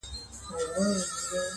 • زوی یې وویل چټک نه سمه تللای -